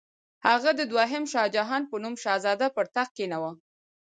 هغه د دوهم شاهجهان په نوم شهزاده پر تخت کښېناوه.